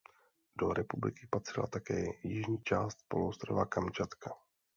Do republiky patřila také jižní část poloostrova Kamčatka.